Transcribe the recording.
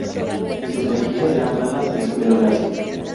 Sus mejillas serán planas y su pelo lacio.